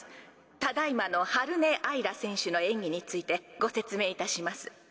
ただいまの春音あいら選手の演技についてご説明いたします。